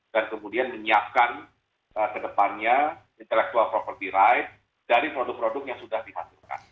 dan kemudian menyiapkan kedepannya intellectual property rights dari produk produk yang sudah dihasilkan